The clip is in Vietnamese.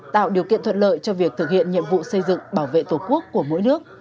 tạo điều kiện thuận lợi cho việc thực hiện nhiệm vụ xây dựng bảo vệ tổ quốc của mỗi nước